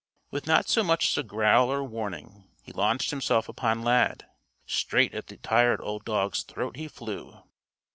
With not so much as a growl or warning, he launched himself upon Lad. Straight at the tired old dog's throat he flew.